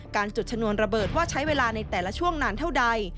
จุดชนวนระเบิดว่าใช้เวลาในแต่ละช่วงนานเท่าใด